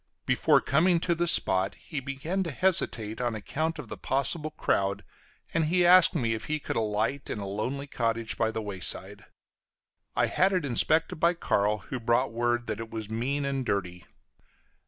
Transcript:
Before coming to the spot, he began to hesitate on account of the possible crowd, and he asked me if he could alight in a lonely cottage by the wayside; I had it inspected by Carl, who brought word that it was mean and dirty.